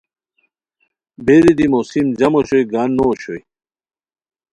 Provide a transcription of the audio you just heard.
بیری دی موسم جم اوشوئے گان نو اوشوئے